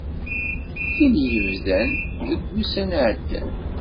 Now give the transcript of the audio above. Tin yebdan deg wussan iɛeddan.